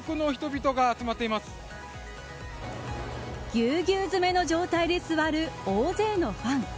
ぎゅうぎゅう詰めの状態で座る大勢のファン。